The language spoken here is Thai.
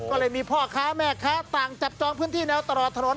ก็เลยมีพ่อค้าแม่ค้าต่างจับจองพื้นที่แนวตลอดถนน